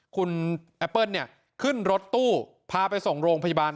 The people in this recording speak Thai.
คุณแอปเปิ้ลขึ้นรถตู้พาไปส่งโรงพยาบาล